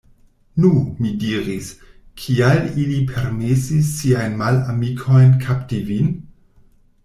Nu, mi diris, Kial ili permesis siajn malamikojn kapti vin?